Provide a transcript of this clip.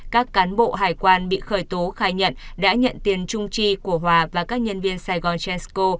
các cán bộ hải quan bị khởi tố khai nhận đã nhận tiền trung tri của hòa và các nhân viên sài gòn chesco